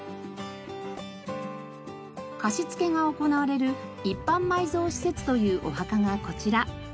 貸し付けが行われる一般埋蔵施設というお墓がこちら。